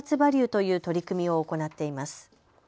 ＶＡＬＵＥという取り組みを行っています。